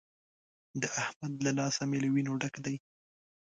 د احمد له لاسه مې له وينو ډک دی.